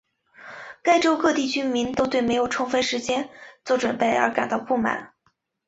该州各地居民都对没有充分时间做准备感到不满。